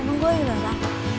emang gue ilah lah